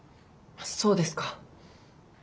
そうですか。